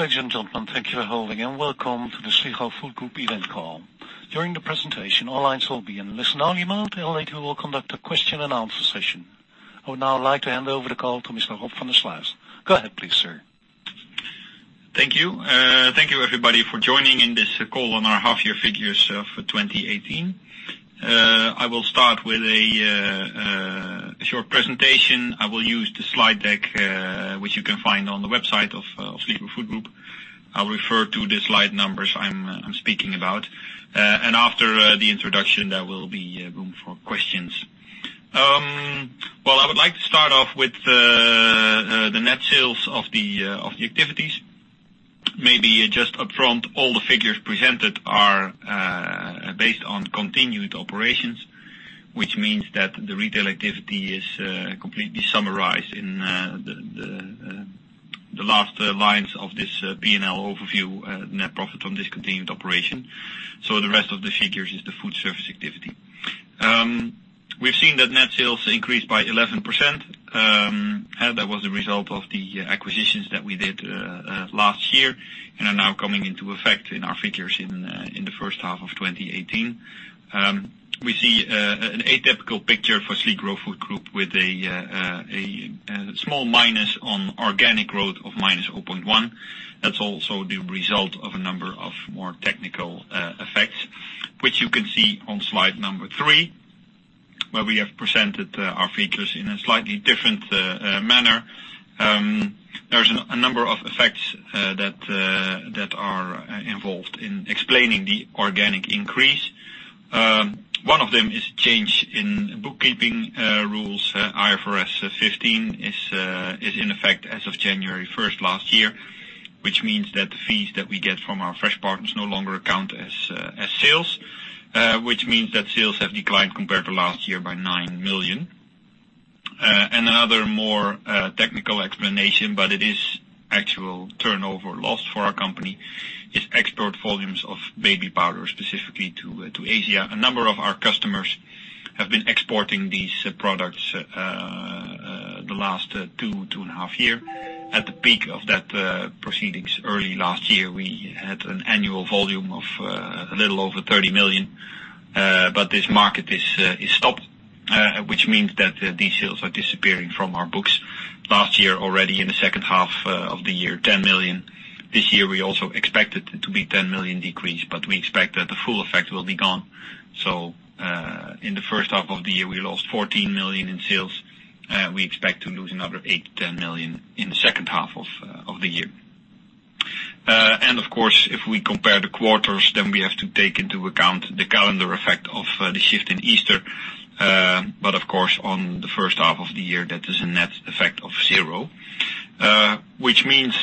Ladies and gentlemen, thank you for holding and welcome to the Sligro Food Group event call. During the presentation, all lines will be in listen-only mode, and later we will conduct a question and answer session. I would now like to hand over the call to Mr. Rob van der Sluijs. Go ahead please, sir. Thank you. Thank you everybody for joining in this call on our half year figures for 2018. I will start with a short presentation. I will use the slide deck, which you can find on the website of Sligro Food Group. I will refer to the slide numbers I am speaking about. After the introduction, there will be room for questions. Well, I would like to start off with the net sales of the activities. Maybe just upfront, all the figures presented are based on continued operations, which means that the retail activity is completely summarized in the last lines of this P&L overview, net profit on discontinued operation. The rest of the figures is the foodservice activity. We have seen that net sales increased by 11%. That was a result of the acquisitions that we did last year and are now coming into effect in our figures in the first half of 2018. We see an atypical picture for Sligro Food Group with a small minus on organic growth of minus 0.1. That is also the result of a number of more technical effects, which you can see on slide number three, where we have presented our figures in a slightly different manner. There is a number of effects that are involved in explaining the organic increase. One of them is change in bookkeeping rules. IFRS 15 is in effect as of January 1st last year, which means that the fees that we get from our fresh partners no longer count as sales, which means that sales have declined compared to last year by 9 million. Another more technical explanation, it is actual turnover lost for our company, is export volumes of baby powder, specifically to Asia. A number of our customers have been exporting these products the last two and a half year. At the peak of that proceedings early last year, we had an annual volume of a little over 30 million. This market is stopped, which means that these sales are disappearing from our books. Last year, already in the second half of the year, 10 million. This year, we also expected to be 10 million decrease, we expect that the full effect will be gone. In the first half of the year, we lost 14 million in sales. We expect to lose another 8 million-10 million in the second half of the year. Of course, if we compare the quarters, we have to take into account the calendar effect of the shift in Easter. Of course, on the first half of the year, that is a net effect of zero. Which means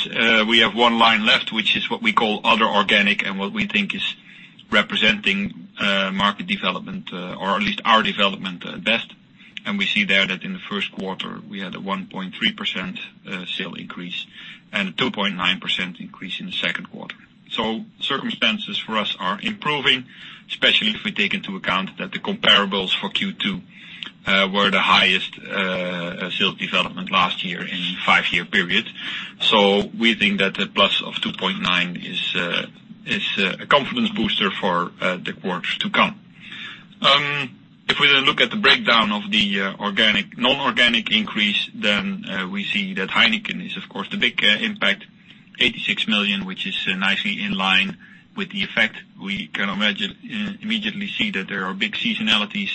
we have one line left, which is what we call other organic and what we think is representing market development, or at least our development best. We see there that in the first quarter, we had a 1.3% sale increase and a 2.9% increase in the second quarter. Circumstances for us are improving, especially if we take into account that the comparables for Q2 were the highest sales development last year in a five-year period. We think that a plus of 2.9% is a confidence booster for the quarters to come. If we look at the breakdown of the non-organic increase, we see that Heineken is of course the big impact, 86 million, which is nicely in line with the effect. We can immediately see that there are big seasonalities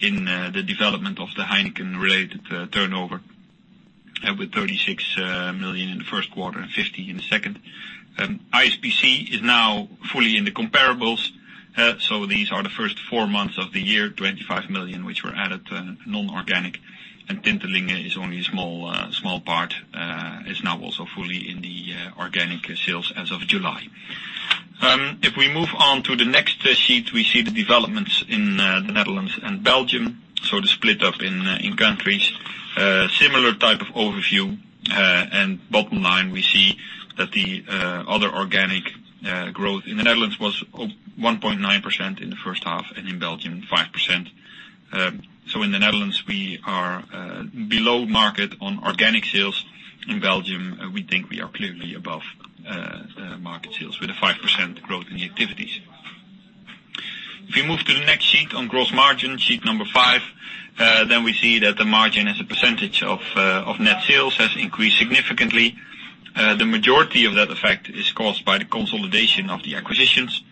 in the development of the Heineken-related turnover, with 36 million in the first quarter and 50 million in the second. ISPC is now fully in the comparables. These are the first four months of the year, 25 million, which were added non-organic, and Tintelingen is only a small part, is now also fully in the organic sales as of July. We move on to the next sheet, we see the developments in the Netherlands and Belgium. The split up in countries. Similar type of overview. Bottom line, we see that the other organic growth in the Netherlands was 1.9% in the first half and in Belgium, 5%. In the Netherlands, we are below market on organic sales. In Belgium, we think we are clearly above market sales with a 5% growth in the activities. We move to the next sheet on gross margin, sheet number five, we see that the margin as a percentage of net sales has increased significantly. The majority of that effect is caused by the consolidation of the acquisitions.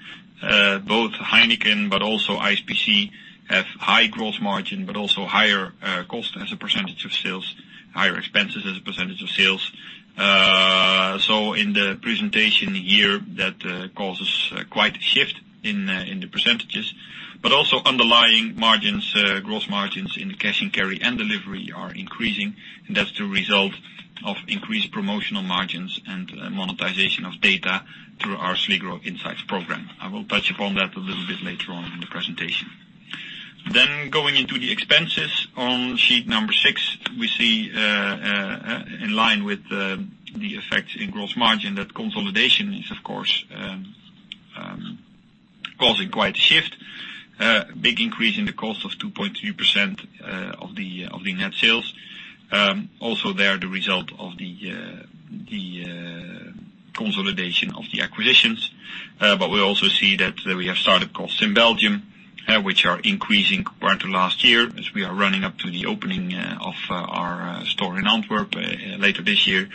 Both Heineken but also ISPC have high gross margin, but also higher cost as a percentage of sales, higher expenses as a percentage of sales. In the presentation year, that causes quite a shift in the percentages. Also underlying margins, gross margins in cash and carry and delivery are increasing, and that's the result of increased promotional margins and monetization of data through our Sligro Insights program. I will touch upon that a little bit later on in the presentation. Going into the expenses on sheet number six, we see in line with the effect in gross margin that consolidation is of course causing quite a shift. Big increase in the cost of 2.2% of the net sales. There, the result of the consolidation of the acquisitions. We also see that we have startup costs in Belgium, which are increasing compared to last year as we are running up to the opening of our store in Antwerp later this year.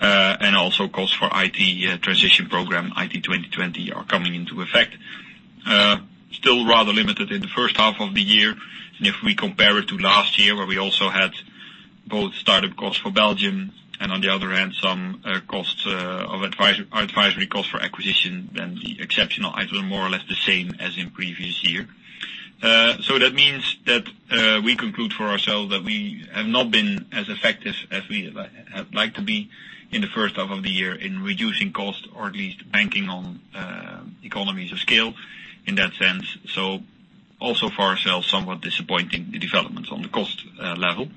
Also costs for IT transition program, IT2020 are coming into effect. Still rather limited in the first half of the year. If we compare it to last year, where we also had both startup costs for Belgium, and on the other hand, some advisory costs for acquisition, then the exceptional item more or less the same as in previous year. That means that we conclude for ourselves that we have not been as effective as we would have liked to be in the first half of the year in reducing cost or at least banking on economies of scale in that sense. Also for ourselves, somewhat disappointing, the developments on the cost level.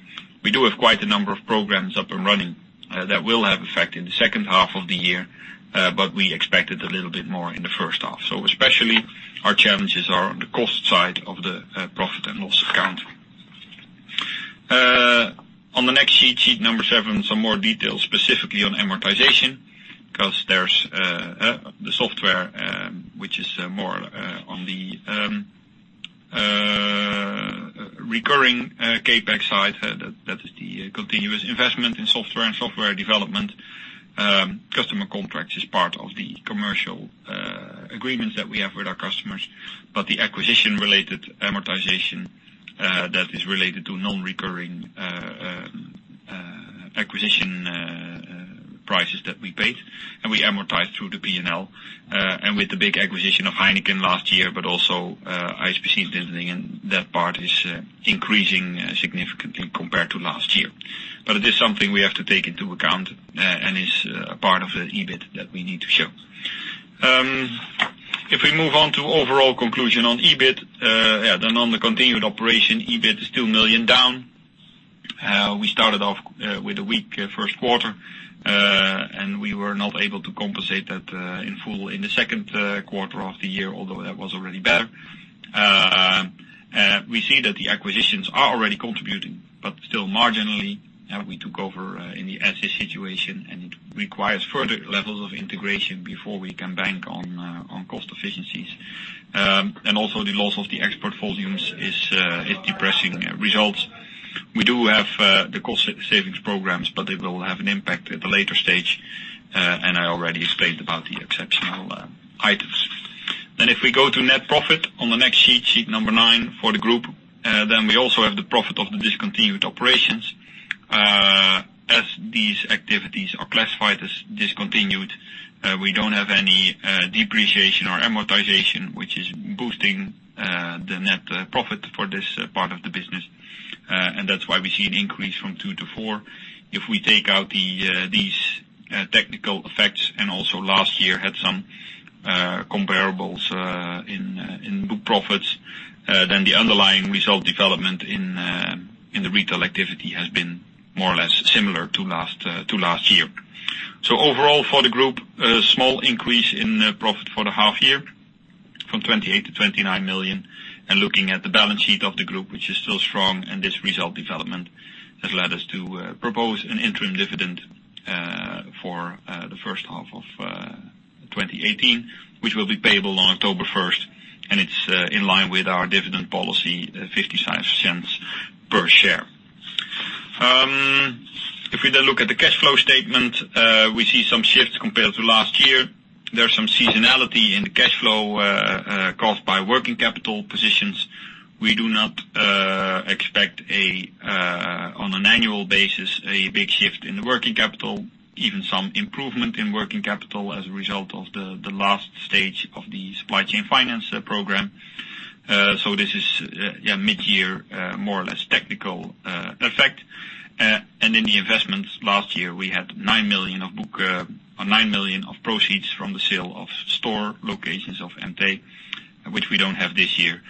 We do have quite a number of programs up and running that will have effect in the second half of the year, but we expected a little bit more in the first half. Especially, our challenges are on the cost side of the profit and loss account. On the next sheet number seven, some more details, specifically on amortization. There's the software, which is more on the recurring CapEx side. That is the continuous investment in software and software development. Customer contracts is part of the commercial agreements that we have with our customers. The acquisition-related amortization that is related to non-recurring acquisition prices that we paid, and we amortize through the P&L. With the big acquisition of Heineken last year, but also ISPC and Tintelingen, that part is increasing significantly compared to last year. It is something we have to take into account, and is a part of the EBIT that we need to show. If we move on to overall conclusion on EBIT. On the continued operation, EBIT is 2 million down. We started off with a weak first quarter, and we were not able to compensate that in full in the second quarter of the year, although that was already better. We see that the acquisitions are already contributing, but still marginally. We took over in the asset situation, and it requires further levels of integration before we can bank on cost efficiencies. Also the loss of the export volumes is depressing results. We do have the cost savings programs, but they will have an impact at a later stage, and I already explained about the exceptional items. If we go to net profit on the next sheet number nine for the group, then we also have the profit of the discontinued operations. As these activities are classified as discontinued, we don't have any depreciation or amortization, which is boosting the net profit for this part of the business. That's why we see an increase from 2 to 4. If we take out these technical effects, and also last year had some comparables in book profits, then the underlying result development in the retail activity has been more or less similar to last year. Overall for the group, a small increase in profit for the half year from 28 million to 29 million. Looking at the balance sheet of the group, which is still strong, and this result development has led us to propose an interim dividend for the first half of 2018, which will be payable on October 1st, and it's in line with our dividend policy at EUR 0.55 per share. We then look at the cash flow statement, we see some shifts compared to last year. There is some seasonality in the cash flow caused by working capital positions. We do not expect on an annual basis, a big shift in the working capital, even some improvement in working capital as a result of the last stage of the supply chain finance program. This is mid-year, more or less technical effect. In the investments last year, we had 9 million of proceeds from the sale of store locations of EMTÉ, which we do not have this year.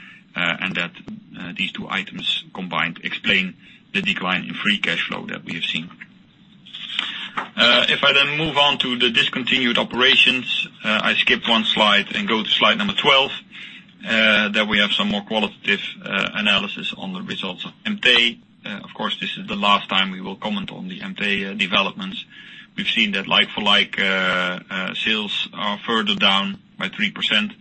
These two items combined explain the decline in free cash flow that we have seen. I then move on to the discontinued operations, I skip one slide and go to slide 12. There we have some more qualitative analysis on the results of EMTÉ. This is the last time we will comment on the EMTÉ developments. We've seen that like-for-like sales are further down by 3%.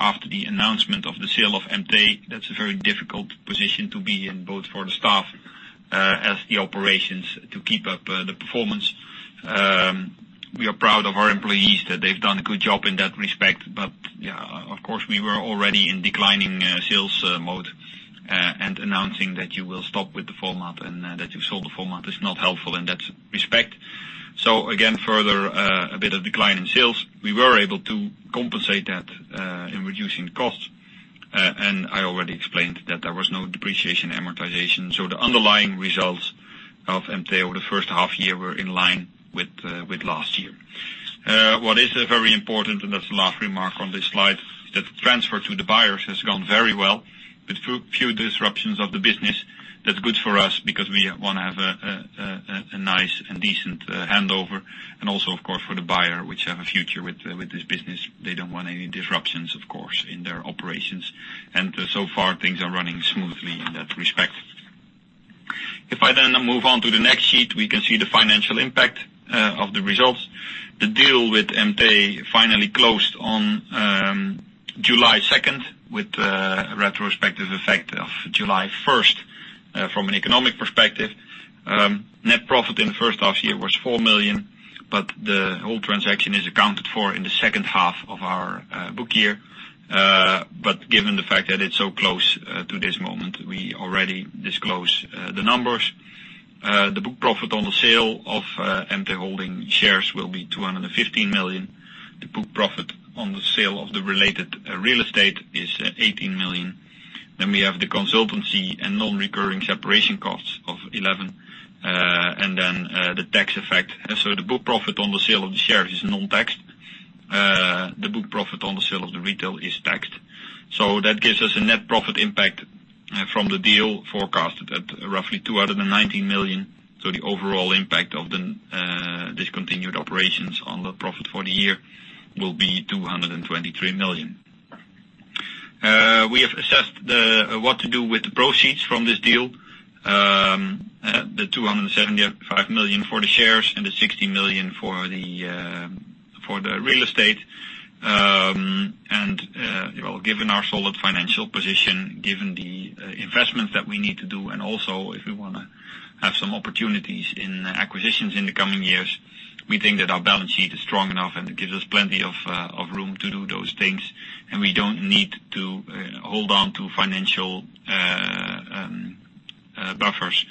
After the announcement of the sale of EMTÉ, that's a very difficult position to be in, both for the staff as the operations to keep up the performance. We are proud of our employees that they've done a good job in that respect. We were already in declining sales mode, and announcing that you will stop with the format and that you sold the format is not helpful in that respect. Again, further a bit of decline in sales. We were able to compensate that in reducing costs. I already explained that there was no depreciation amortization. The underlying results of EMTÉ over the first half year were in line with last year. What is very important, and that's the last remark on this slide, that the transfer to the buyers has gone very well with few disruptions of the business. That's good for us because we want to have a nice and decent handover. Also, of course, for the buyer, which have a future with this business. They don't want any disruptions, of course, in their operations. So far, things are running smoothly in that respect. I then move on to the next sheet, we can see the financial impact of the results. The deal with EMTÉ finally closed on July 2nd, with a retrospective effect of July 1st. From an economic perspective, net profit in the first half year was 4 million, but the whole transaction is accounted for in the second half of our book year. Given the fact that it's so close to this moment, we already disclose the numbers. The book profit on the sale of EMTÉ Holding shares will be 215 million. The book profit on the sale of the related real estate is 18 million. We have the consultancy and non-recurring separation costs of 11 million, the tax effect. The book profit on the sale of the shares is non-taxed. The book profit on the sale of the retail is taxed. That gives us a net profit impact from the deal forecasted at roughly 219 million. The overall impact of the discontinued operations on the profit for the year will be 223 million. We have assessed what to do with the proceeds from this deal, the 275 million for the shares and the 60 million for the real estate. Given our solid financial position, given the investments that we need to do, also if we want to have some opportunities in acquisitions in the coming years, we think that our balance sheet is strong enough, it gives us plenty of room to do those things. We don't need to hold on to financial buffers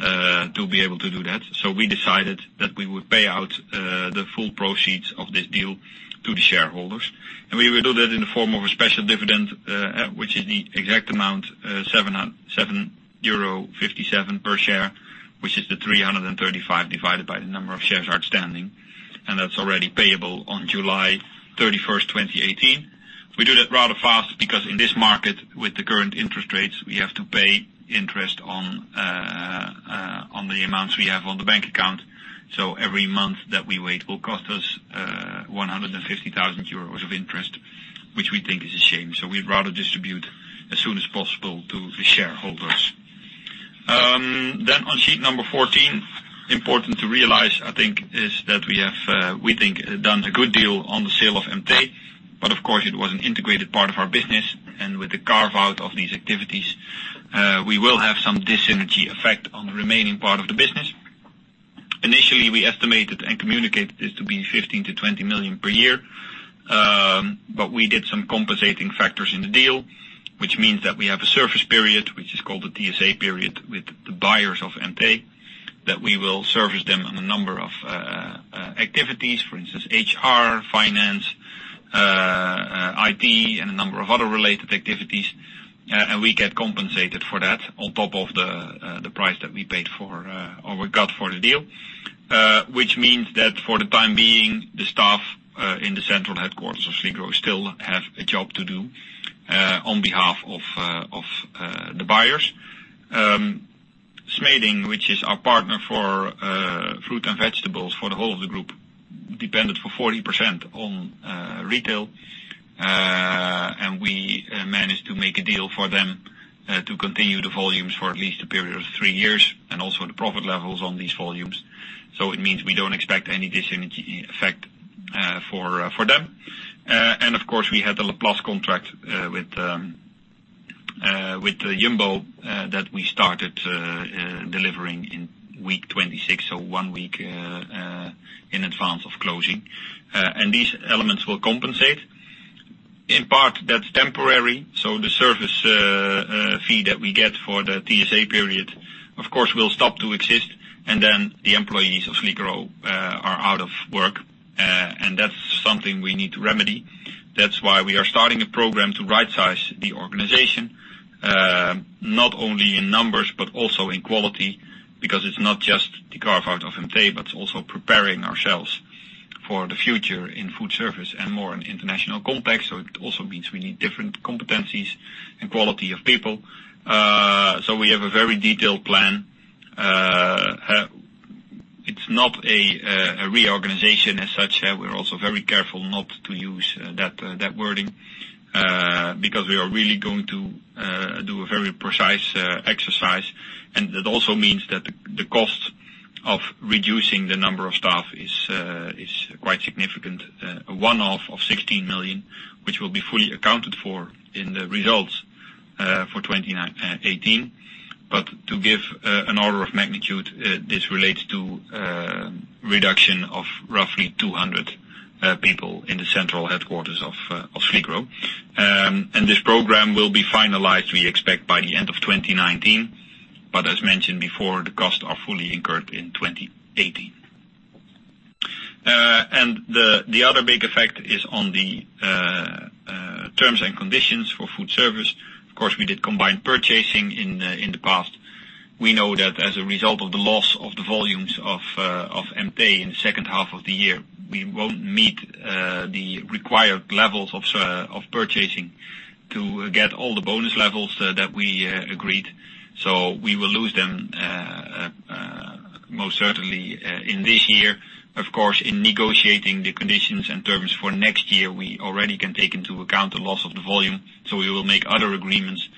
to be able to do that. We decided that we would pay out the full proceeds of this deal to the shareholders, we will do that in the form of a special dividend, which is the exact amount, 7.57 euro per share, which is the 335 divided by the number of shares outstanding, that's already payable on July 31st, 2018. We do that rather fast because in this market, with the current interest rates, we have to pay interest on the amounts we have on the bank account. Every month that we wait will cost us 150,000 euros of interest, which we think is a shame. We'd rather distribute as soon as possible to the shareholders. On sheet number 14, important to realize, I think, is that we think done a good deal on the sale of EMTÉ. Of course, it was an integrated part of our business. With the carve-out of these activities, we will have some dis-synergy effect on the remaining part of the business. Initially, we estimated and communicated this to be 15 million-20 million per year. We did some compensating factors in the deal, which means that we have a service period, which is called the TSA period, with the buyers of EMTÉ, that we will service them on a number of activities. For instance, HR, finance, IT, a number of other related activities. We get compensated for that on top of the price that we got for the deal. Which means that for the time being, the staff in the central headquarters of Sligro still have a job to do on behalf of the buyers. Smeding, which is our partner for fruit and vegetables for the whole of the group, depended for 40% on retail. We managed to make a deal for them to continue the volumes for at least a period of three years and also the profit levels on these volumes. It means we don't expect any dis-synergy effect for them. Of course, we had the La Place contract with the Jumbo that we started delivering in week 26. One week in advance of closing. These elements will compensate. In part that's temporary. The service fee that we get for the TSA period, of course, will stop to exist, then the employees of Sligro are out of work. That's something we need to remedy. That's why we are starting a program to rightsize the organization, not only in numbers, but also in quality, because it's not just the carve out of EMTÉ, but also preparing ourselves for the future in food service and more on international context. It also means we need different competencies and quality of people. We have a very detailed plan. It's not a reorganization as such. We're also very careful not to use that wording, because we are really going to do a very precise exercise. That also means that the cost of reducing the number of staff is quite significant. A one-off of 16 million, which will be fully accounted for in the results for 2018. To give an order of magnitude, this relates to a reduction of roughly 200 people in the central headquarters of Sligro. This program will be finalized, we expect, by the end of 2019. As mentioned before, the costs are fully incurred in 2018. The other big effect is on the terms and conditions for foodservice. Of course, we did combined purchasing in the past. We know that as a result of the loss of the volumes of EMTÉ in the second half of the year, we won't meet the required levels of purchasing to get all the bonus levels that we agreed. We will lose them most certainly in this year. Of course, in negotiating the conditions and terms for next year, we already can take into account the loss of the volume, so we will make other agreements.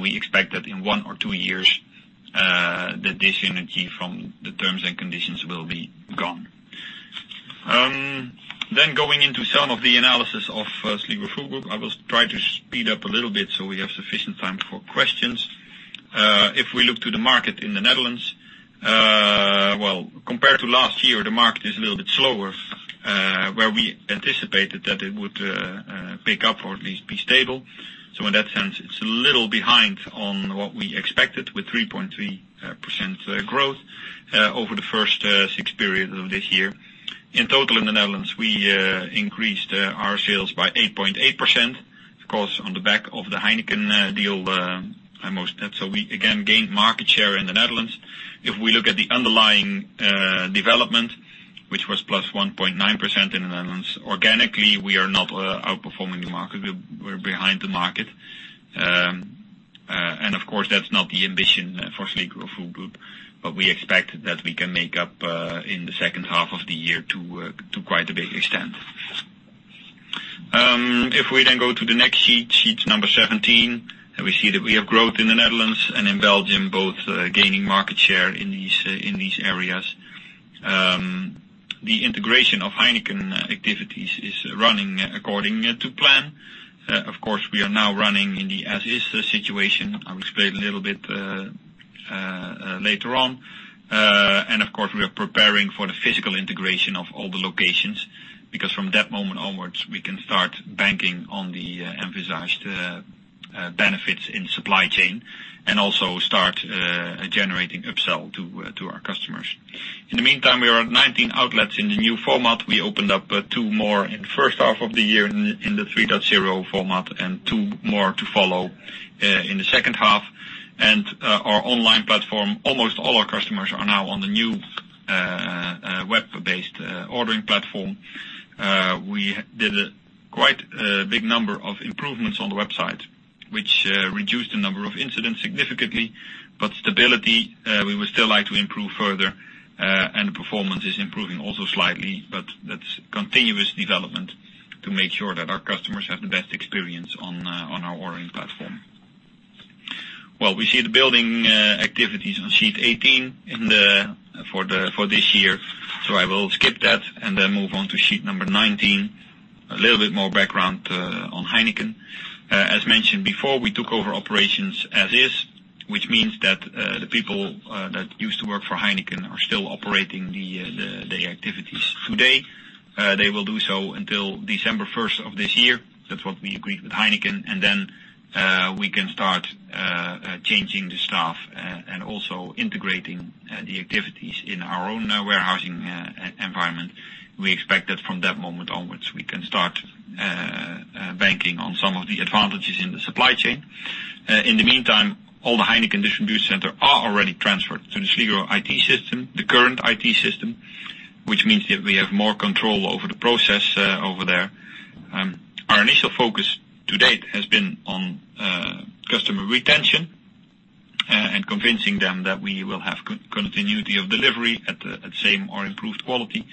We expect that in one or two years, the dis-synergy from the terms and conditions will be gone. Going into some of the analysis of Sligro Food Group, I will try to speed up a little bit so we have sufficient time for questions. If we look to the market in the Netherlands, compared to last year, the market is a little bit slower, where we anticipated that it would pick up or at least be stable. In that sense, it's a little behind on what we expected with 3.3% growth over the first six periods of this year. In total, in the Netherlands, we increased our sales by 8.8%, of course, on the back of the Heineken deal. We again gained market share in the Netherlands. If we look at the underlying development, which was +1.9% in the Netherlands, organically, we are not outperforming the market. We're behind the market. Of course, that's not the ambition for Sligro Food Group, but we expect that we can make up in the second half of the year to quite a big extent. If we go to the next sheet number 17, we see that we have growth in the Netherlands and in Belgium, both gaining market share in these areas. The integration of Heineken activities is running according to plan. Of course, we are now running in the as-is situation. I'll explain a little bit later on. Of course, we are preparing for the physical integration of all the locations, because from that moment onwards, we can start banking on the envisaged benefits in supply chain and also start generating upsell to our customers. In the meantime, we are at 19 outlets in the new format. We opened up two more in the first half of the year in the 3.0 format and two more to follow in the second half. Our online platform, almost all our customers are now on the new web-based ordering platform. We did a quite big number of improvements on the website, which reduced the number of incidents significantly, but stability, we would still like to improve further, and the performance is improving also slightly, but that's continuous development to make sure that our customers have the best experience on our ordering platform. We see the building activities on sheet 18 for this year. I will skip that and move on to sheet 19. A little bit more background on Heineken. As mentioned before, we took over operations as is, which means that the people that used to work for Heineken are still operating their activities today. They will do so until December 1st of this year. That's what we agreed with Heineken. We can start changing the staff and also integrating the activities in our own warehousing environment. We expect that from that moment onwards, we can start banking on some of the advantages in the supply chain. In the meantime, all the Heineken distribution center are already transferred to the Sligro IT system, the current IT system, which means that we have more control over the process over there. Our initial focus to date has been on customer retention and convincing them that we will have continuity of delivery at the same or improved quality.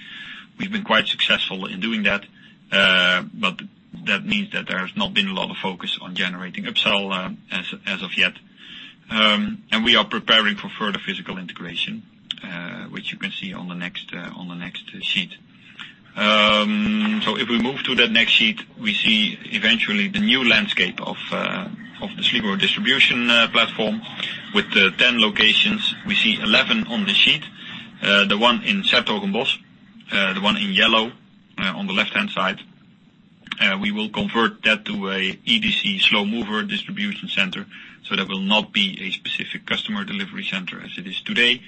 We've been quite successful in doing that means that there has not been a lot of focus on generating upsell as of yet. We are preparing for further physical integration, which you can see on the next sheet. If we move to the next sheet, we see eventually the new landscape of the Sligro distribution platform with the 10 locations. We see 11 on the sheet. The one in 's-Hertogenbosch, the one in yellow on the left-hand side, we will convert that to an EDC slow mover distribution center. That will not be a specific customer delivery center as it is today.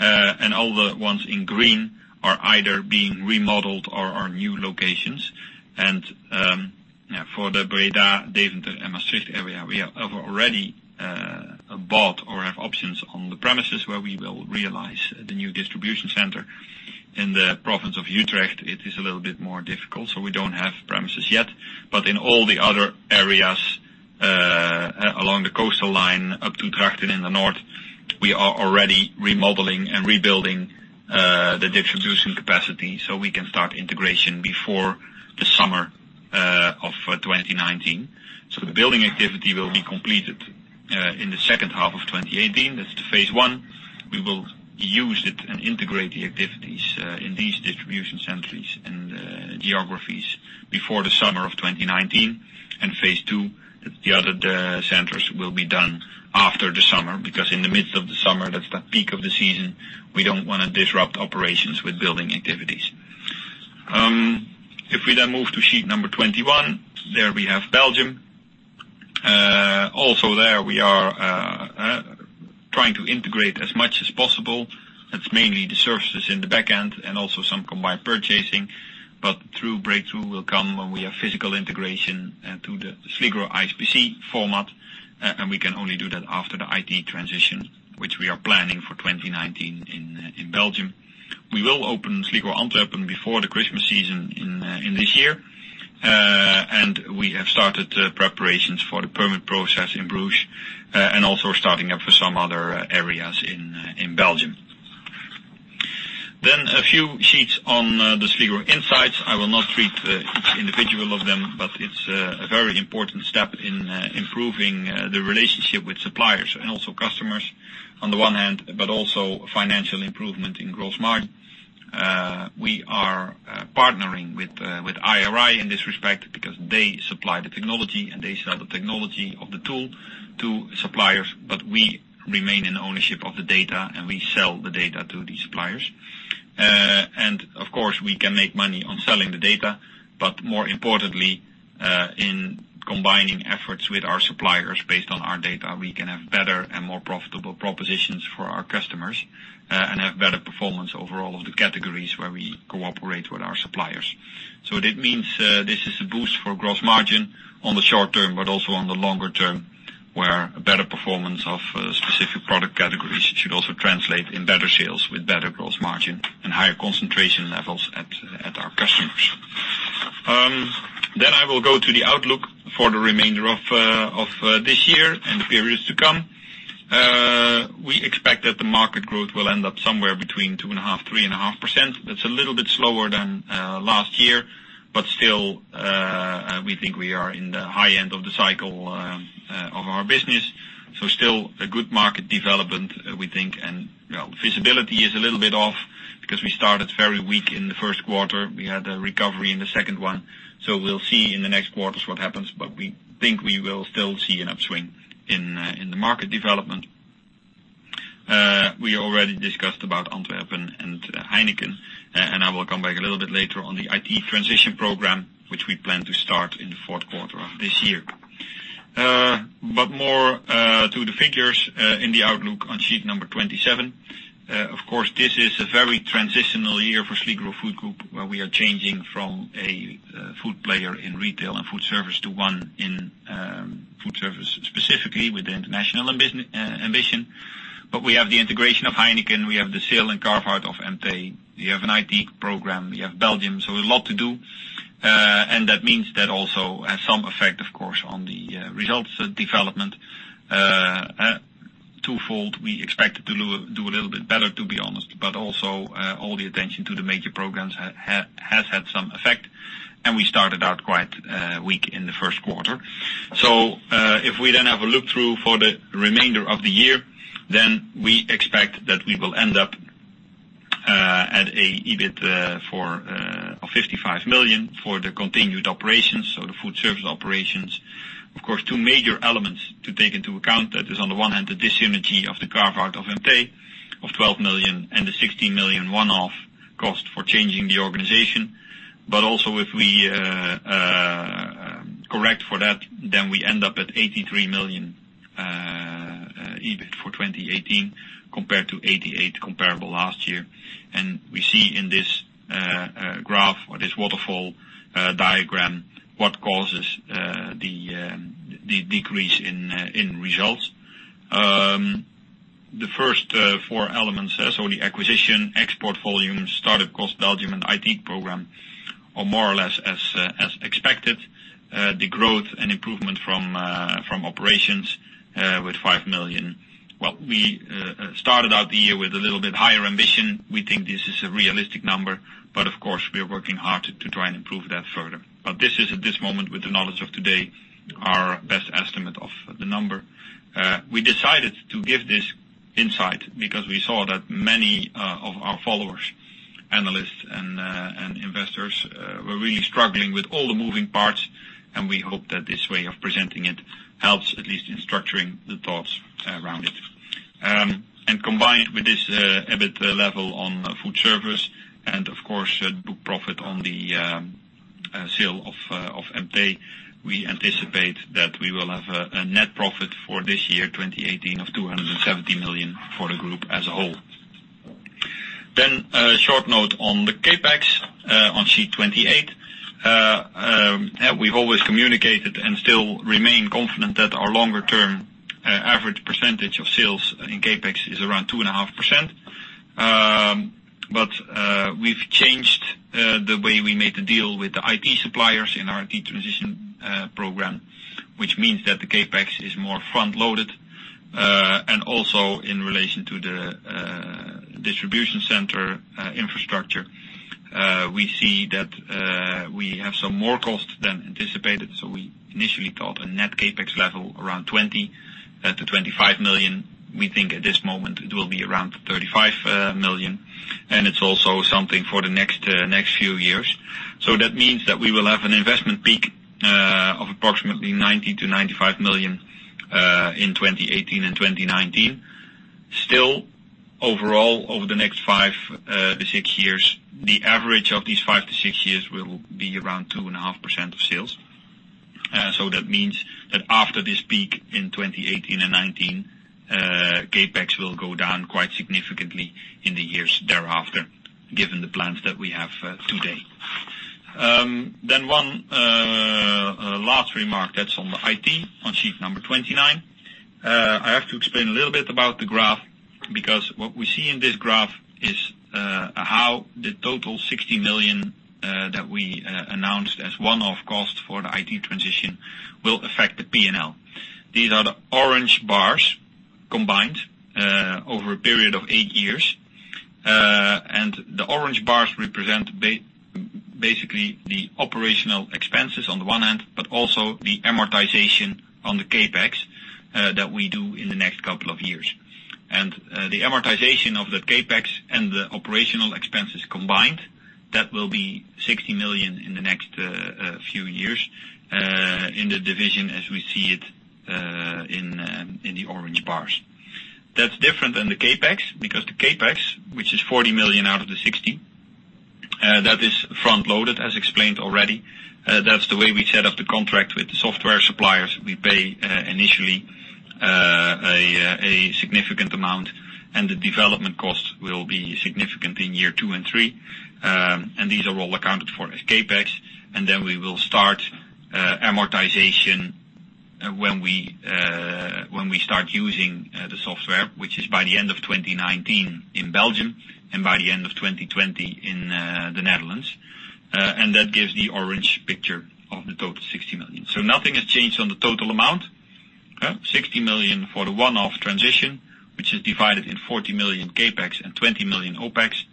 All the ones in green are either being remodeled or are new locations. For the Breda, Deventer, and Maastricht area, we have already bought or have options on the premises where we will realize the new distribution center. In the province of Utrecht, it is a little bit more difficult, we don't have premises yet. In all the other areas along the coastal line up to Drachten in the north, we are already remodeling and rebuilding the distribution capacity so we can start integration before the summer of 2019. The building activity will be completed in the second half of 2018. That's the phase 1. We will use it and integrate the activities in these distribution centers in the geographies before the summer of 2019. Phase 2, the other centers will be done after the summer, because in the midst of the summer, that's the peak of the season. We don't want to disrupt operations with building activities. If we move to sheet 21, there we have Belgium. Also there, we are trying to integrate as much as possible. That's mainly the services in the back end and also some combined purchasing. True breakthrough will come when we have physical integration to the Sligro ISPC format, and we can only do that after the IT transition, which we are planning for 2019 in Belgium. We will open Sligro Antwerp before the Christmas season in this year. We have started preparations for the permit process in Bruges, and also starting up for some other areas in Belgium. A few sheets on the Sligro Insights. I will not treat each individual of them, but it's a very important step in improving the relationship with suppliers and also customers on the one hand, but also financial improvement in gross margin. We are partnering with IRI in this respect because they supply the technology, they sell the technology of the tool to suppliers, but we remain in ownership of the data, we sell the data to these suppliers. Of course, we can make money on selling the data, but more importantly, in combining efforts with our suppliers based on our data, we can have better and more profitable propositions for our customers, and have better performance over all of the categories where we cooperate with our suppliers. That means this is a boost for gross margin on the short term, but also on the longer term, where a better performance of specific product categories should also translate in better sales with better gross margin and higher concentration levels at our customers. I will go to the outlook for the remainder of this year and the periods to come. We expect that the market growth will end up somewhere between 2.5%-3.5%. That is a little bit slower than last year, but still, we think we are in the high end of the cycle of our business. Still a good market development, we think, and visibility is a little bit off because we started very weak in the first quarter. We had a recovery in the second one. We will see in the next quarters what happens. We think we will still see an upswing in the market development. We already discussed about Antwerp and Heineken, and I will come back a little bit later on the IT transition program, which we plan to start in the fourth quarter of this year. More to the figures in the outlook on sheet number 27. Of course, this is a very transitional year for Sligro Food Group, where we are changing from a food player in retail and foodservice to one in foodservice, specifically with the international ambition. We have the integration of Heineken, we have the sale and carve out of EMTÉ, we have an IT program, we have Belgium. A lot to do. That means that also has some effect, of course, on the results development. Twofold, we expected to do a little bit better, to be honest, but also all the attention to the major programs has had some effect, and we started out quite weak in the first quarter. If we then have a look through for the remainder of the year, we expect that we will end up at an EBIT for 55 million for the continued operations, the foodservice operations. Of course, two major elements to take into account. That is on the one hand, the dis-synergy of the carve out of EMTÉ of 12 million and the 16 million one-off cost for changing the organization. Also if we correct for that, we end up at 83 million EBIT for 2018 compared to 88 million comparable last year. We see in this graph or this waterfall diagram what causes the decrease in results. The first four elements there, the acquisition, export volume, start-up cost Belgium, and IT program are more or less as expected. The growth and improvement from operations with 5 million. We started out the year with a little bit higher ambition. We think this is a realistic number. Of course, we are working hard to try and improve that further. This is at this moment with the knowledge of today, our best estimate of the number. We decided to give this insight because we saw that many of our followers, analysts, and investors were really struggling with all the moving parts. We hope that this way of presenting it helps at least in structuring the thoughts around it. Combined with this EBIT level on foodservice and of course, book profit on the sale of EMTÉ, we anticipate that we will have a net profit for this year, 2018, of 270 million for the group as a whole. A short note on the CapEx on sheet 28. We've always communicated and still remain confident that our longer term average percentage of sales in CapEx is around 2.5%. We've changed the way we made the deal with the IT suppliers in our IT transition program, which means that the CapEx is more front loaded. Also in relation to the distribution center infrastructure, we see that we have some more cost than anticipated. We initially thought a net CapEx level around 20 million-25 million. We think at this moment it will be around 35 million, and it's also something for the next few years. That means that we will have an investment peak of approximately 90 million-95 million in 2018 and 2019. Still overall, over the next five to six years, the average of these five to six years will be around 2.5% of sales. That means that after this peak in 2018 and 2019, CapEx will go down quite significantly in the years thereafter, given the plans that we have today. One last remark that's on the IT on sheet number 29. I have to explain a little bit about the graph, because what we see in this graph is how the total 60 million that we announced as one-off cost for the IT transition will affect the P&L. These are the orange bars combined over a period of eight years. The orange bars represent basically the operational expenses on the one hand, but also the amortization on the CapEx that we do in the next couple of years. The amortization of the CapEx and the operational expenses combined, that will be 60 million in the next few years, in the division as we see it in the orange bars. That's different than the CapEx, because the CapEx, which is 40 million out of the 60 million, that is front-loaded as explained already. That's the way we set up the contract with the software suppliers. We pay initially a significant amount and the development cost will be significant in year two and three. These are all accounted for as CapEx. We will start amortization when we start using the software, which is by the end of 2019 in Belgium and by the end of 2020 in the Netherlands. That gives the orange picture of the total 60 million. Nothing has changed on the total amount. 60 million for the one-off transition, which is divided in 40 million CapEx and 20 million OpEx.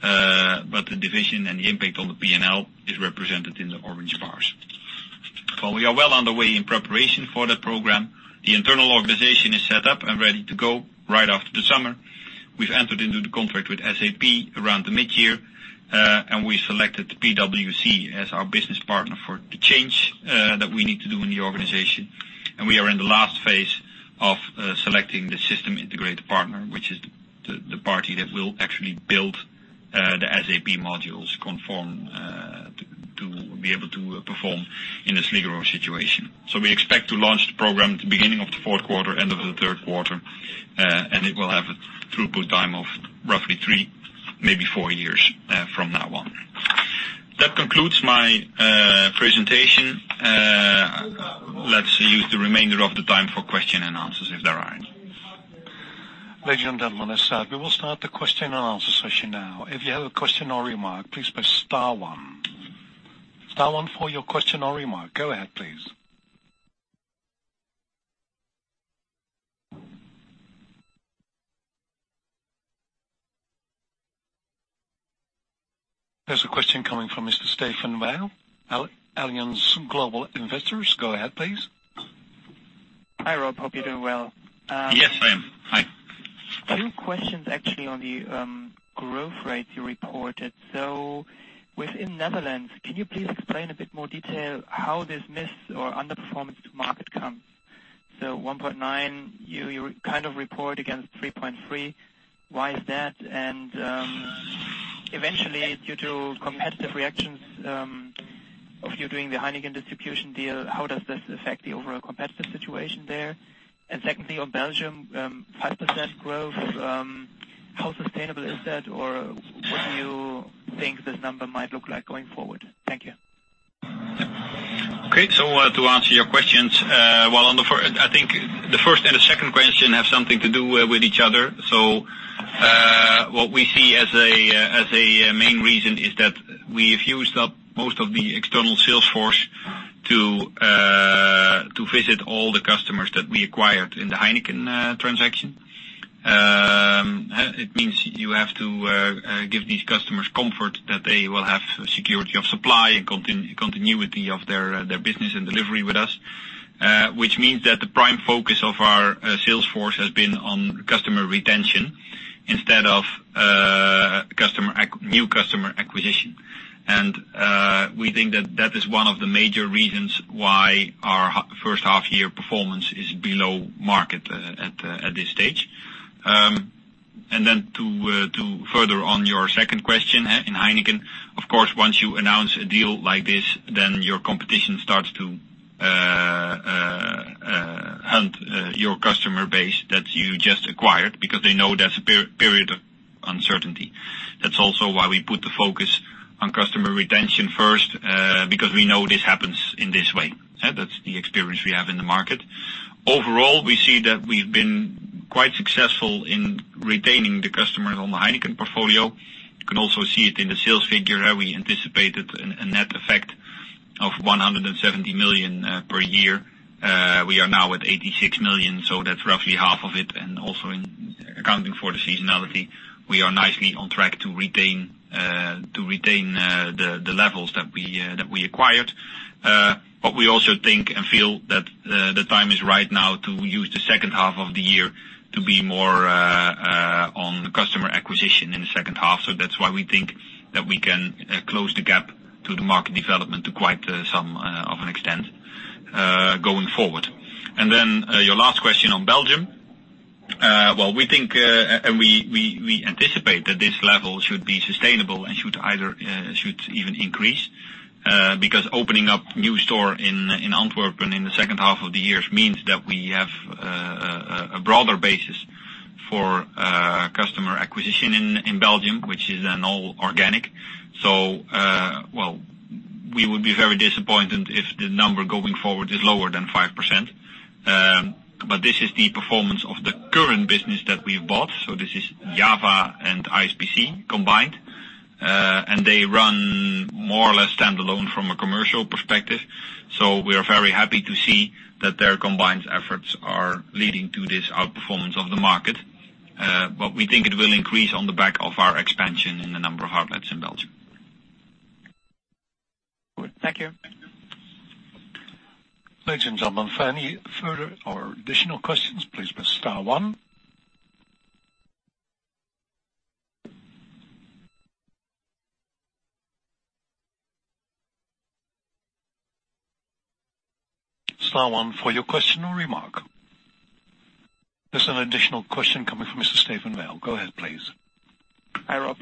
The division and the impact on the P&L is represented in the orange bars. We are well underway in preparation for the program. The internal organization is set up and ready to go right after the summer. We've entered into the contract with SAP around the mid-year, we selected PwC as our business partner for the change that we need to do in the organization. We are in the last phase of selecting the system integrator partner, which is the party that will actually build the SAP modules to be able to perform in a Sligro situation. We expect to launch the program at the beginning of the fourth quarter, end of the third quarter, and it will have a throughput time of roughly three, maybe four years from now on. That concludes my presentation. Let's use the remainder of the time for question and answers if there are any. Ladies and gentlemen, as said, we will start the question and answer session now. If you have a question or remark, please press star one. Star one for your question or remark. Go ahead, please. There's a question coming from Mr. Stephan Weil, Allianz Global Investors. Go ahead, please. Hi, Rob. Hope you're doing well. Yes, I am. Hi. Two questions actually on the growth rate you reported. Within Netherlands, can you please explain a bit more detail how this miss or underperformance to market comes? 1.9, you kind of report against 3.3. Why is that? Eventually, due to competitive reactions of you doing the Heineken distribution deal, how does this affect the overall competitive situation there? Secondly, on Belgium, 5% growth, how sustainable is that? What do you think this number might look like going forward? Thank you. Okay. To answer your questions, I think the first and the second question have something to do with each other. What we see as a main reason is that we've used up most of the external sales force to visit all the customers that we acquired in the Heineken transaction. It means you have to give these customers comfort that they will have security of supply and continuity of their business and delivery with us. Which means that the prime focus of our sales force has been on customer retention instead of new customer acquisition. We think that that is one of the major reasons why our first half year performance is below market at this stage. Then to further on your second question in Heineken, of course, once you announce a deal like this, your competition starts to hunt your customer base that you just acquired because they know there's a period of uncertainty. That's also why we put the focus on customer retention first, because we know this happens in this way. That's the experience we have in the market. Overall, we see that we've been quite successful in retaining the customers on the Heineken portfolio. You can also see it in the sales figure. We anticipated a net effect of 170 million per year. We are now at 86 million, so that's roughly half of it. Also accounting for the seasonality, we are nicely on track to retain the levels that we acquired. We also think and feel that the time is right now to use the second half of the year to be more on customer acquisition in the second half. That's why we think that we can close the gap to the market development to quite some of an extent going forward. Then your last question on Belgium. Well, we think and we anticipate that this level should be sustainable and should even increase, because opening up new store in Antwerp in the second half of the year means that we have a broader basis for customer acquisition in Belgium, which is an all organic. We would be very disappointed if the number going forward is lower than 5%. This is the performance of the current business that we've bought. This is JAVA and ISPC combined. They run more or less standalone from a commercial perspective. We are very happy to see that their combined efforts are leading to this outperformance of the market. We think it will increase on the back of our expansion in the number of outlets in Belgium. Good. Thank you. Ladies and gentlemen, for any further or additional questions, please press star one. Star one for your question or remark. There's an additional question coming from Mr. Steven Vale. Go ahead, please. Hi, Rob.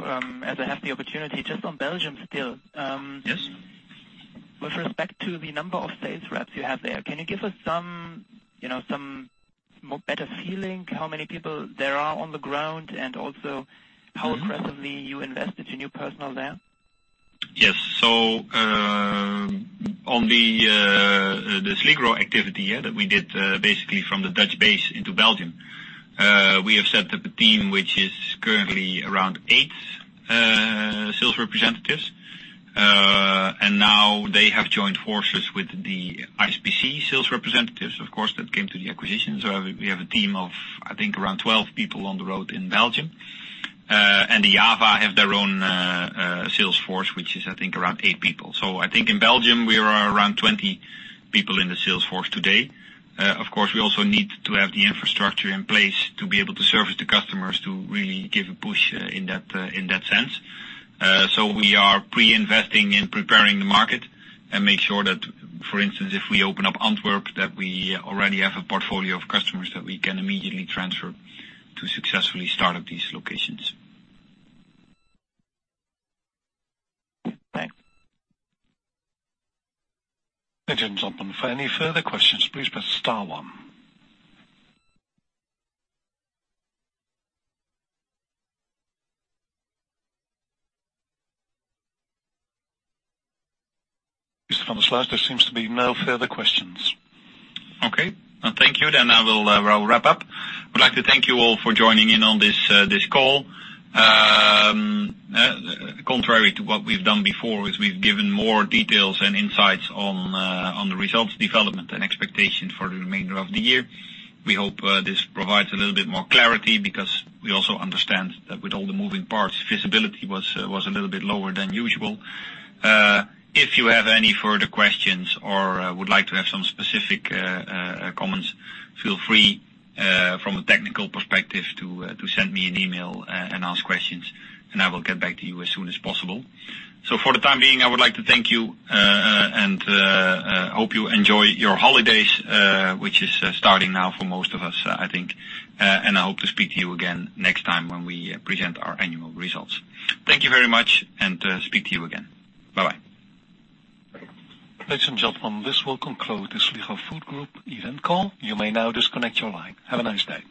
As I have the opportunity, just on Belgium still. Yes. With respect to the number of sales reps you have there, can you give us some better feeling how many people there are on the ground, and also how aggressively you invested your new personnel there? Yes. On the Sligro activity that we did, basically from the Dutch base into Belgium, we have set up a team which is currently around eight sales representatives. Now they have joined forces with the ISPC sales representatives, of course, that came to the acquisition. We have a team of, I think, around 12 people on the road in Belgium. The JAVA have their own sales force, which is, I think, around eight people. I think in Belgium, we are around 20 people in the sales force today. Of course, we also need to have the infrastructure in place to be able to service the customers to really give a push in that sense. We are pre-investing in preparing the market and make sure that, for instance, if we open up Antwerp, that we already have a portfolio of customers that we can immediately transfer to successfully start up these locations. Thanks. Ladies and gentlemen, for any further questions, please press star one. Mr. Van der Sluijs, there seems to be no further questions. I will wrap up. Would like to thank you all for joining in on this call. Contrary to what we've done before is we've given more details and insights on the results development and expectation for the remainder of the year. We hope this provides a little bit more clarity because we also understand that with all the moving parts, visibility was a little bit lower than usual. If you have any further questions or would like to have some specific comments, feel free from a technical perspective to send me an email and ask questions, and I will get back to you as soon as possible. For the time being, I would like to thank you and hope you enjoy your holidays, which is starting now for most of us, I think. I hope to speak to you again next time when we present our annual results. Thank you very much, and speak to you again. Bye-bye. Ladies and gentlemen, this will conclude the Sligro Food Group event call. You may now disconnect your line. Have a nice day.